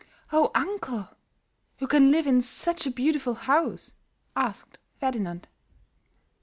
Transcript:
"Oh, uncle, who can live in such a beautiful house?" asked Ferdinand.